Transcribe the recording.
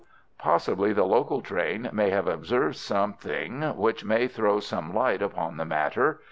Possibly the local train may have observed something which may throw some light upon the matter.